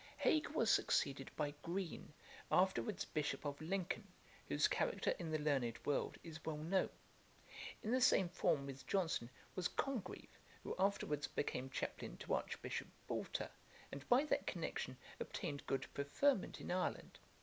Hague was succeeded by Green, afterwards Bishop of Lincoln, whose character in the learned world is well known. In the same form with Johnson was Congreve, who afterwards became chaplain to Archbishop Boulter, and by that connection obtained good preferment in Ireland.